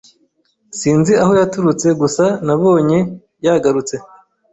Sinzi aho yaturutse gusa nabonye yagarutse.